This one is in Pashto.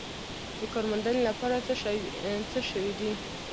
د کار موندنې لپاره څه شوي دي؟